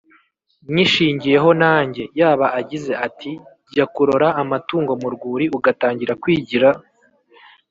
Nyishingeho nanjye"Yaba agize ati "jya kurora Amatungo mu rwuri Ugatangira kwigira